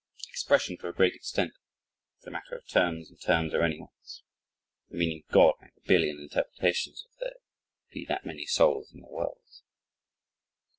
Expression to a great extent is a matter of terms and terms are anyone's. The meaning of "God" may have a billion interpretations if there be that many souls in the world.